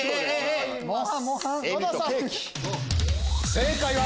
正解は。